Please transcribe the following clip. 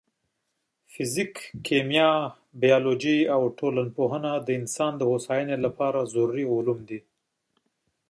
فزیک، کیمیا، بیولوژي او ټولنپوهنه د انسان د هوساینې لپاره اړین علوم دي.